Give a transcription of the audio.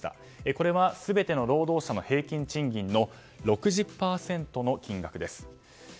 これは全ての労働者の平均賃金の６０％ほどの額だそうです。